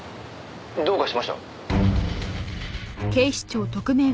「どうかしました？」